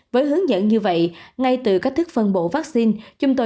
với hướng dẫn như vậy ngay từ các thức phân bộ vaccine